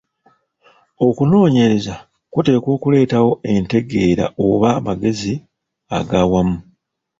Okunoonyereza kuteekwa okuleetawo entegeera oba amagezi aga wamu.